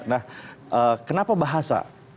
nah kenapa bahasa